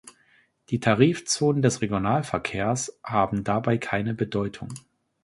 Die Tarifzonen des Regionalverkehrs haben dabei keine Bedeutung.